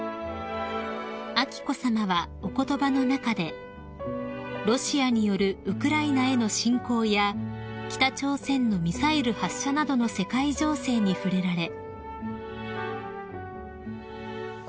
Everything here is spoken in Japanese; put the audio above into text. ［彬子さまはお言葉の中でロシアによるウクライナへの侵攻や北朝鮮のミサイル発射などの世界情勢に触れられ］